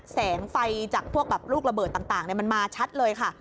แสงไฟจากพวกแบบลูกระเบิดต่างมันมาชัดเลยค่ะ